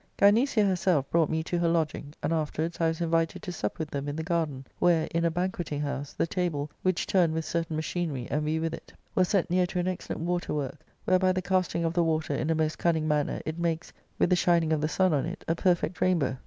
(/'|'>*^.''^ 4 ^^''" Gynecia herself brought me to her lodging, and after lA'ards I was invited to sup with them in the garden, where, in a banqueting house, the table, which turned with certain machinery, and we with it, was set near to an excellent water work, where, by the casting of the water in a most cunning manner, it makes, with the shining of the sun on it, a perfect rainbow.